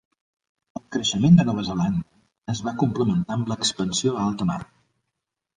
El creixement de Nova Zelanda es va complementar amb l'expansió a alta mar.